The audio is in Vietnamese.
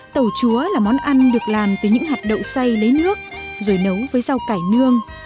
tàu chúa là món ăn được làm từ những hạt đậu say lấy nước rồi nấu với rau cải nương